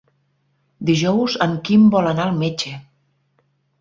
Dijous en Quim vol anar al metge.